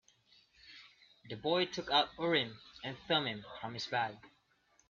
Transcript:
The boy took out Urim and Thummim from his bag.